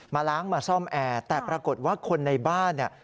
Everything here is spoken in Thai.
ล้างมาซ่อมแอร์แต่ปรากฏว่าคนในบ้านเนี่ย